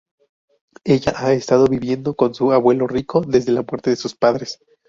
Ella ha estado viviendo con su abuelo rico desde la muerte de sus padres.